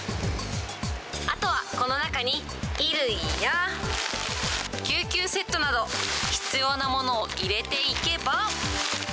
あとはこの中に、衣類や救急セットなど、必要なものを入れていけば。